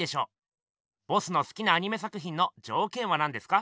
ボスのすきなアニメ作ひんのじょうけんはなんですか？